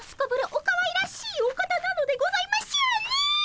おかわいらしいお方なのでございましょうねえ！